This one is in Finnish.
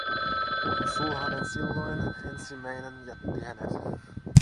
Kun sulhanen silloin, ensimmäinen, jätti hänet.